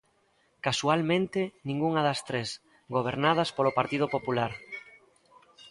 Casualmente, ningunha das tres gobernadas polo Partido Popular.